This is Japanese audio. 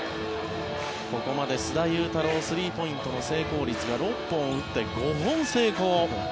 ここまで須田侑太郎スリーポイントの成功率が６本打って５本成功。